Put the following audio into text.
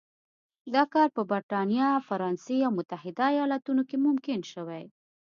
دا کار په برېټانیا، فرانسې او متحده ایالتونو کې ممکن شوی.